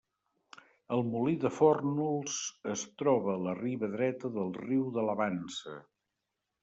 El molí de Fórnols es troba a la riba dreta del riu de la Vansa.